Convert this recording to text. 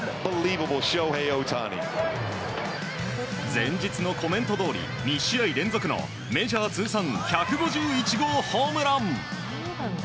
前日のコメントどおり２試合連続のメジャー通算１５１号ホームラン！